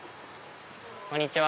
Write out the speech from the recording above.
こんにちは。